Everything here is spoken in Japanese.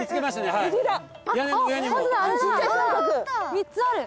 ３つある。